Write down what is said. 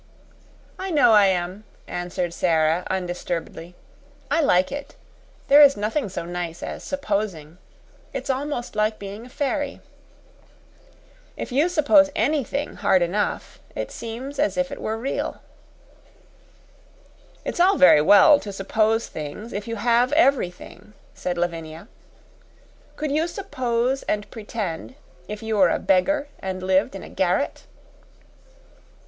"I know I am," answered Sara, undisturbedly. "I like it. There is nothing so nice as supposing. It's almost like being a fairy. If you suppose anything hard enough it seems as if it were real." "It's all very well to suppose things if you have everything," said Lavinia. "Could you suppose and pretend if you were a beggar and lived in a garret?"